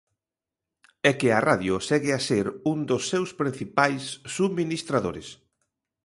E que a radio segue a ser un dos seus principais subministradores.